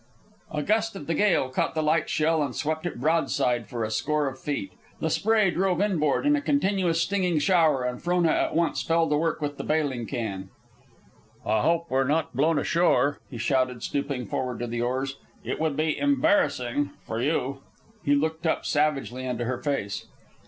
A gust of the gale caught the light shell and swept it broadside for a score of feet. The spray drove inboard in a continuous stinging shower, and Frona at once fell to work with the bailing can. "I hope we're blown ashore," he shouted, stooping forward to the oars. "It would be embarrassing for you." He looked up savagely into her face.